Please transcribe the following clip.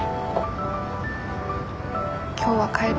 今日は帰る。